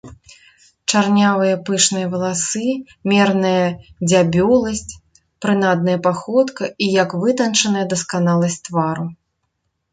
Чарнявыя пышныя валасы, мерная дзябёласць, прынадная паходка і як вытанчаная дасканаласць твару.